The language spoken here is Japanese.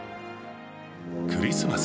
クリスマス